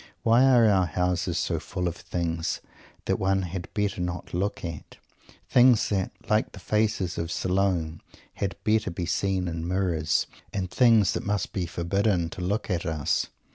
Why are our houses so full of things that one had better not look at, things that, like the face of Salome, had better be seen in mirrors, and things that must be forbidden to look at us?